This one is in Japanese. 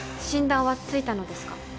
診断はついたのですか？